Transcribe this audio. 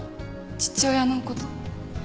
父親のこと？